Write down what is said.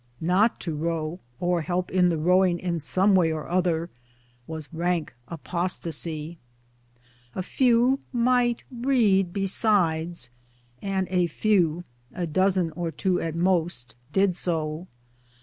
Not to row or help in the rowing in some way or other was rank apostasy. A few might ' read besides, and a few a dozen or two at most did so.